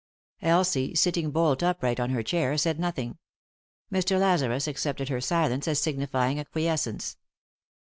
Elsie, sitting bolt upright on her chair, said nothing. Mr. Lazarus accepted her silence as signifying acquiescence.